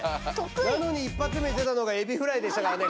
なのにいっぱつ目出たのがエビフライでしたからね。